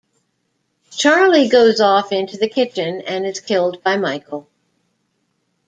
Charlie goes off into the kitchen and is killed by Michael.